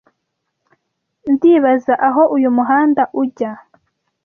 Ndibaza aho uyu muhanda ujya.